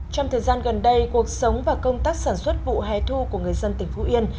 trong thời gian gần đây cuộc sống và công tác sản xuất vụ hè thu của người dân tỉnh phú yên